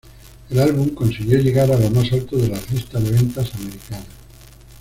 El álbum consiguió llegar a lo más alto de las listas de ventas americanas.